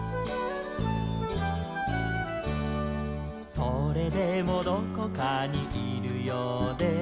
「それでもどこかにいるようで」